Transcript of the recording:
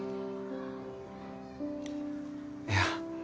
いや。